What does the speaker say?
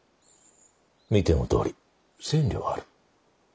見てのとおり千両ある。